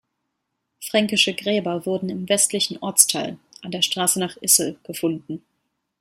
Fränkische Gräber wurden im westlichen Ortsteil, an der Straße nach Issel, gefunden.